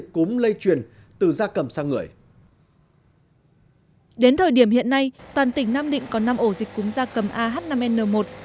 cúm gia cầm sang người đến thời điểm hiện nay toàn tỉnh nam định có năm ổ dịch cúm gia cầm ah năm n một